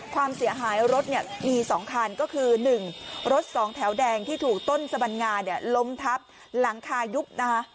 ความเสียหายรถเนี่ยมี๒คันก็คือ๑รถ๒แถวแดงที่ถูกต้นสบัญงาเนี่ยล้มทับหลังคายุบนะคะ